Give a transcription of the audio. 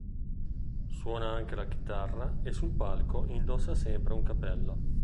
Suona anche la chitarra e sul palco indossa sempre un cappello.